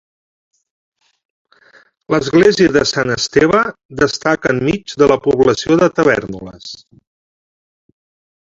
L'església de Sant Esteve destaca en mig de la població de Tavèrnoles.